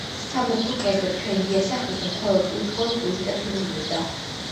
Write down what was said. საფირმო კერძებს ჩვენი დიასახლისი მხოლოდ უცხოელ ტურისტებს უმზადებდა.